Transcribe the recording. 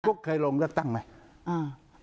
เคยลงเลือกตั้งไหม